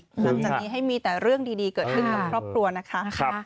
หลังจากนี้ให้มีแต่เรื่องดีเกิดขึ้นกับครอบครัวนะคะ